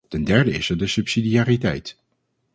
Ten derde is er de subsidiariteit.